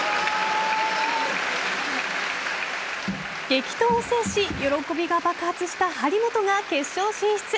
激闘を制し喜びが爆発した張本が決勝進出。